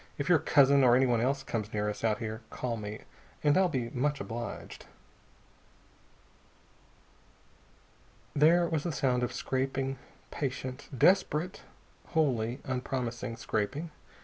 If your cousin or anybody else comes near us, out here, call me, and I'll be much obliged." There was the sound of scraping, patient, desperate, wholly unpromising scraping.